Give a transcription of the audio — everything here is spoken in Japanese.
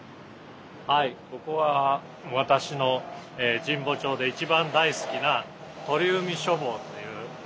はいここは私の神保町で一番大好きな鳥海書房っていう本屋さん。